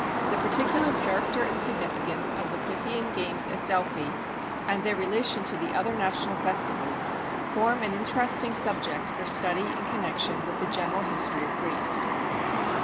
The particular character and significance of the Pythian games at Delphi, and their relation to the other national festivals, form an interesting subject for study in connection with the general history of Greece.